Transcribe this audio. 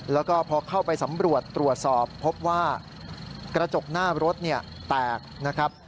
แล้วก็พอเข้าไปสำรวจตรวจสอบพบว่ากระจกหน้ารถแตกนะครับ